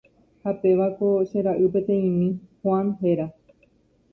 Ha pévako che ra'y peteĩmi Juan héra.